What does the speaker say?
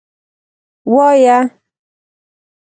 _وايه.